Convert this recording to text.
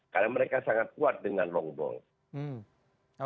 karena mereka sangat kuat dengan long ball